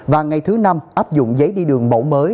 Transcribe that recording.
và ngày thứ năm áp dụng giấy đi đường mẫu mới